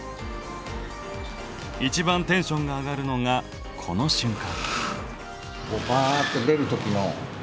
一番テンションが上がるのがこの瞬間！